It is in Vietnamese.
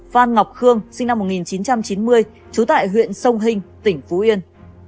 phan ngọc khương sinh năm một nghìn chín trăm chín mươi trú tại huyện sông hình tỉnh phú yên